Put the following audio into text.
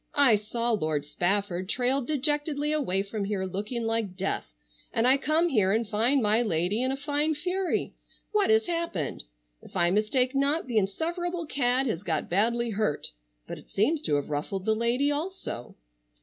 I saw Lord Spafford trail dejectedly away from here looking like death, and I come here and find my lady in a fine fury. What has happened? If I mistake not the insufferable cad has got badly hurt, but it seems to have ruffled the lady also."